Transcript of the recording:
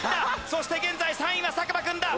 そして現在３位は作間君だ。